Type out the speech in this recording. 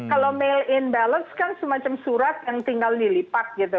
kalau mail in balance kan semacam surat yang tinggal dilipat gitu